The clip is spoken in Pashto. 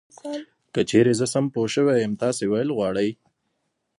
که چېرې زه سم پوه شوی یم تاسې ویل غواړی .